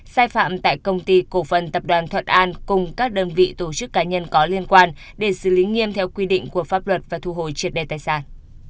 sai phạm tại công ty cổ phần tập đoàn thuận an cùng các đơn vị tổ chức cá nhân có liên quan để xử lý nghiêm theo quy định của pháp luật và thu hồi triệt đề tài sản